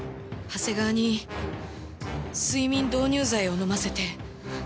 長谷川に睡眠導入剤を飲ませて。